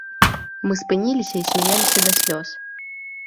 Мы спыніліся і смяяліся да слёз.